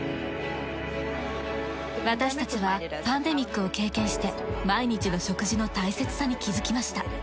私たちはパンデミックを経験して毎日の食事の大切さに気づきました。